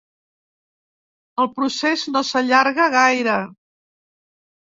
El procés no s'allarga gaire.